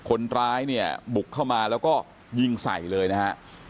คนร้ายเนี่ยบุกเข้ามาแล้วก็ยิงใส่เลยนะฮะ